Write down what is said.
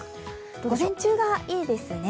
午前中がいいですね。